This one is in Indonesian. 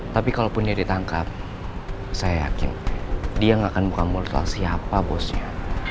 tapi kalaupun dia ditangkap saya yakin dia nggak akan buka murtal siapa bosnya